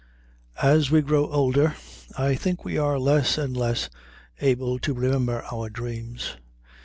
As we grow older, I think we are less and less able to remember our dreams.